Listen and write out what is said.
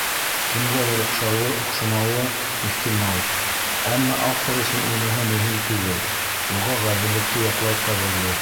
Кемгәлер оҡшауы, оҡшамауы ихтимал, әммә автор өсөн уныһы мөһим түгел, уға ғәҙеллекте яҡлау ҡәҙерле!